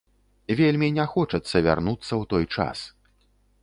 Вельмі не хочацца вярнуцца ў той час.